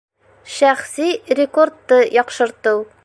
Шәхси рекордты яҡшыртыу